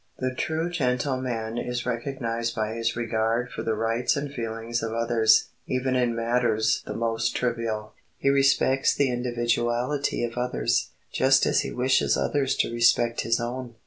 The true gentleman is recognized by his regard for the rights and feelings of others, even in matters the most trivial. He respects the individuality of others, just as he wishes others to respect his own.